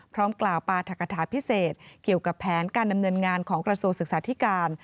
พร้อมกล่าวปราธกฐาพิเศษเกี่ยวกับแผนการดำเนินงานของกระทรวงศึกษาธิการ